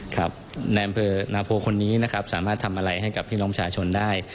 ครับในอำเภอนาโพคนนี้นะครับสามารถทำอะไรให้กับพี่น้องชาชนได้